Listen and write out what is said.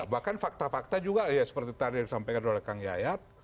bahkan fakta fakta juga ya seperti tadi yang disampaikan oleh kang yayat